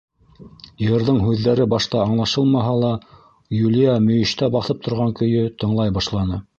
Йырҙың һүҙҙәре башта аңлашылмаһа ла, Юлия мөйөштә баҫып торған көйө тыңлай башланы.